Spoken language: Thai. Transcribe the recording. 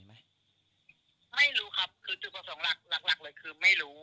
ไม่รู้ครับคือจุดประสงค์หลักหลักหลักเลยคือไม่รู้